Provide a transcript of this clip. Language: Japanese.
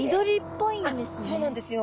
そうなんですよ。